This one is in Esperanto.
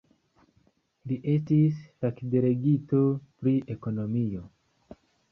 Li estis fakdelegito pri ekonomio.